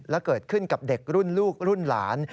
และเกิดขึ้นกับเด็กรุ่นลูกรุ่นหลาน